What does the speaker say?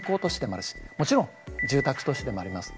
もちろん住宅都市でもあります。